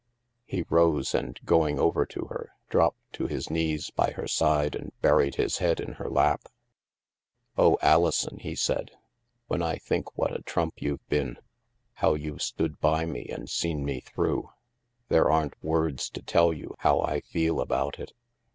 He rose and, going over to her, dropped to his knees by her side and buried his head in her lap. " Oh, Alison," he said, " when I think what a trump you've been, how you've stood by me and seen me through, there aren't words to tell you how I feel about it.